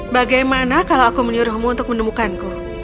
bagaimana kalau aku menyuruhmu untuk menemukanku